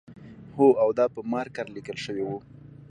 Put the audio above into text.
هو او دا په مارکر لیکل شوی و